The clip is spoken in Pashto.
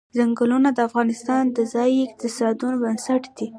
ځنګلونه د افغانستان د ځایي اقتصادونو بنسټ دی.